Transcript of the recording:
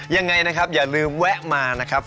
ยังไงนะครับอย่าลืมแวะมานะครับ